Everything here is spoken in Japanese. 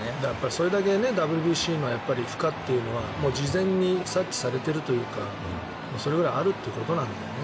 それだけＷＢＣの負荷というのは事前に察知されているというかあるということなんだよね。